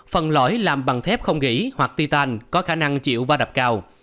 phần lõi làm bằng thép không gỉ hoặc ti tan có khả năng chịu va đập cao